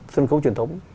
sân khấu truyền thống